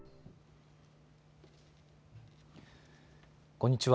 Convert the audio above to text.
こんにちは。